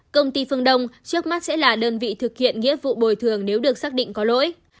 công ty phương đông trước mắt sẽ là đơn vị thực hiện nghĩa vụ bồi thường nếu được xác định có lỗi